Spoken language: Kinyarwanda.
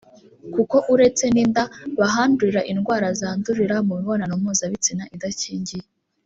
kuko uretse n’inda bahandurira indwara zandurira mu mibonano mpuzabitsina idakingiye